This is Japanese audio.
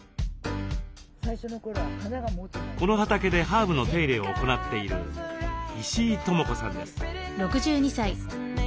この畑でハーブの手入れを行っている石井智子さんです。